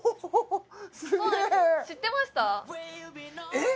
えっ？